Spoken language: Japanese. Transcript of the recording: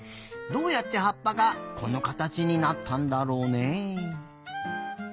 どうやってはっぱがこのかたちになったんだろうね。